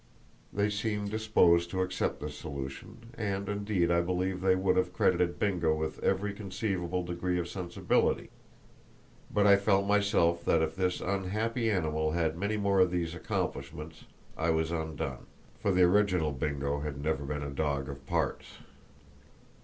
They seemed disposed to accept this solution, and, indeed, I believe they would have credited Bingo with every conceivable degree of sensibility; but I felt myself that if this unhappy animal had many more of these accomplishments I was undone, for the original Bingo had never been a dog of parts.